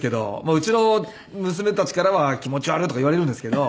うちの娘たちからは「気持ち悪っ」とか言われるんですけど。